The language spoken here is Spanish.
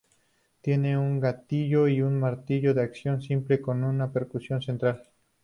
Tienen un gatillo y un martillo de acción simple, con percusión central.